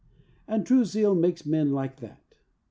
And true zeal makes men like that.